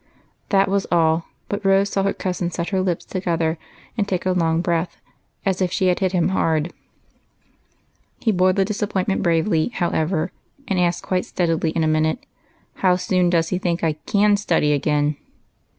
That was all, but Rose saw her cousin set his lips together and take a long breath, as if she had hit him hard. He bore the disappointment bravely, however, and asked quite steadily in a minute, —" How soon does he think I can study again